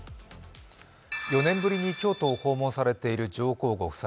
４年ぶりに京都を訪問されている上皇ご夫妻。